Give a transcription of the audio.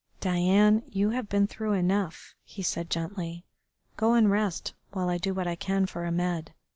"Diane, you have been through enough," he said gently. "Go and rest while I do what I can for Ahmed.